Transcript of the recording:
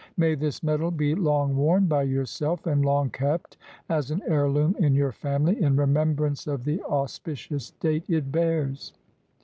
May this medal be long worn by yourself, and long kept as an heirloom in your family in remem brance of the auspicious date it bears."